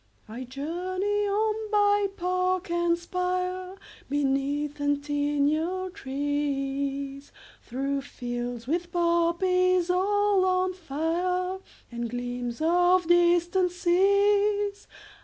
20 I journey on by park and spire, Beneath centennial trees, Through fields with poppies all on fire, And gleams of distant seas.